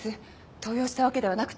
盗用したわけではなくて。